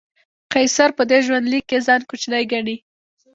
قیصر په دې ژوندلیک کې ځان کوچنی ګڼي.